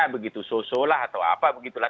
begitu sosolah atau apa begitulah